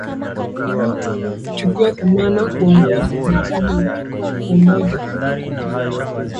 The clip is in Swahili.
chukua dhamana kuongoza serikali ya umoja wa kitaifa